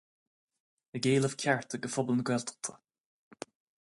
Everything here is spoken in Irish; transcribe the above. Ag éileamh cearta do phobal na Gaeltachta.